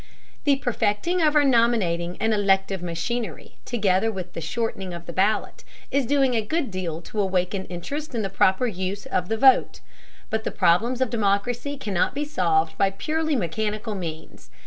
The perfecting of our nominating and elective machinery, together with the shortening of the ballot, is doing a good deal to awaken interest in the proper use of the vote. But the problems of democracy cannot be solved by purely mechanical means.